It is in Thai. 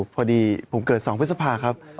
พอดีผมเกิด๒พฤษภาครับ